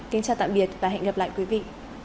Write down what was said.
kính chào tạm biệt và hẹn gặp lại quý vị